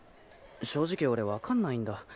正直俺分かんないんだ。